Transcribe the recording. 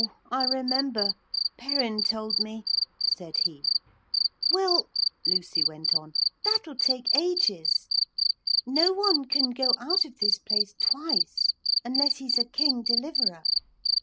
I remember, Perrin told me,' said he. 'Well,' Lucy went on, 'that'll take ages. No one can go out of this place twice unless he's a King Deliverer.